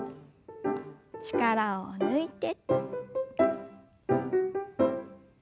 力を抜いて。